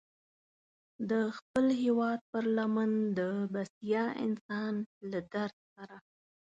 د خپل هېواد پر لمن د بسیا انسان له درد سره.